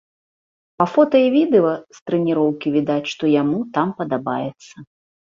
Па фота і відэа з трэніроўкі відаць, што яму там падабаецца.